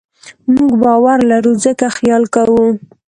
موږ باور لرو؛ ځکه خیال کوو.